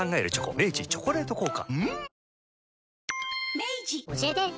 明治「チョコレート効果」